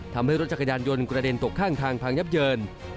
ทำให้รถจักรยานยนต์กระเด็นตกข้างทางพังยับเยิน